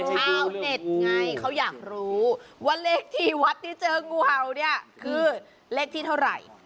ชาวเน็ตไงเขาอยากรู้ว่าเลขที่วัดที่เจองูเห่าเนี่ยคือเลขที่เท่าไหร่